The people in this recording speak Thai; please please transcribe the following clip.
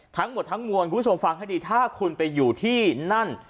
ทั้งหมดทั้งมวลคุณผู้ชมฟังให้ดีถ้าคุณไปอยู่ที่นั่น